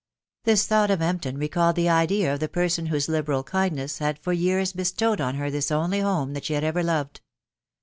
This thought of Empton recalled the idea of the person whose liberal kindness had for years bestowed on her this only home that she had ever loved.